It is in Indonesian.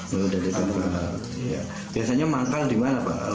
biasanya manggal di mana pak